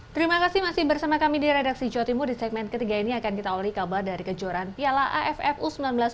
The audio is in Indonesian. terima kasih masih bersama kami di redaksi jawa timur di segmen ketiga ini akan kita awali kabar dari kejuaraan piala aff u sembilan belas